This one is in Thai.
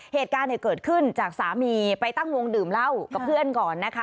เหตุการณ์เนี่ยเกิดขึ้นจากสามีไปตั้งวงดื่มเหล้ากับเพื่อนก่อนนะคะ